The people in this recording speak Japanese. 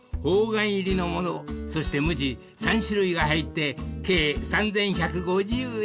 方眼入りのものそして無地３種類が入って計３，１５０円］